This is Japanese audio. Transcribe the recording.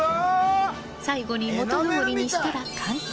最後に元通りにしたら完成。